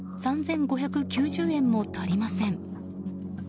３５９０円も足りません。